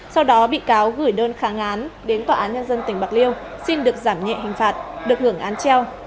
sau đó bị cáo gửi đơn kháng án đến tòa án nhân dân tỉnh bạc liêu xin được giảm nhẹ hình phạt được hưởng án treo